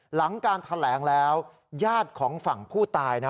หลังการแถลงแล้วญาติของฝั่งผู้ตายนะ